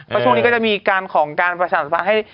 ก็ช่วงนี้ก็จะมีของการประชาธิบัติภาพ